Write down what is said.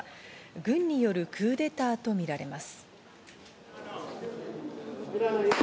軍によるクーデターとみられます。